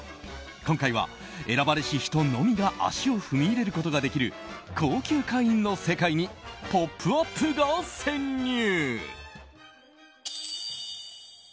今回は選ばれし人のみが足を踏み入れることができる高級会員の世界に「ポップＵＰ！」が潜入。